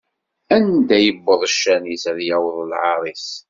Anda iwweḍ ccan-is, ad yaweḍ lɛaṛ-is.